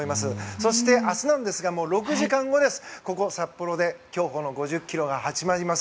そして、明日なんですが６時間後、ここ札幌で競歩の５０ｋｍが始まります。